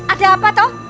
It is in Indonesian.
ada apa toh